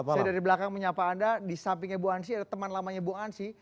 saya dari belakang menyapa anda di sampingnya bu ansi ada teman lamanya bung ansi